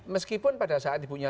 meskipun pada saat ibunya